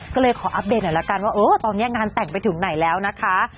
ก็เลยขออัปเดตหน่อยละกันว่าเออตอนนี้งานแต่งไปถึงไหนแล้วนะคะ